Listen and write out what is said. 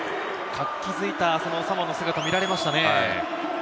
活気づいたサモアの姿が見られましたね。